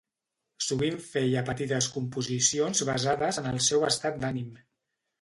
Sovint feia petites composicions basades en el seu estat d'ànim.